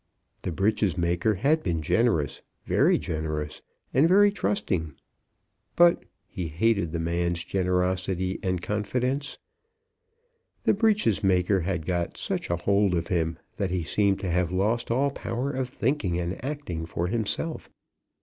The breeches maker had been generous, very generous, and very trusting; but he hated the man's generosity and confidence. The breeches maker had got such a hold of him that he seemed to have lost all power of thinking and acting for himself.